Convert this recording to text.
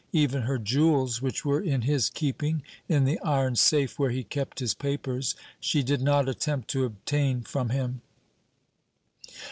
Even her jewels, which were in his keeping, in the iron safe where he kept his papers, she did not attempt to obtain from him.